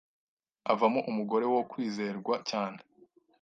Avamo umugore wo kwizerwa cyane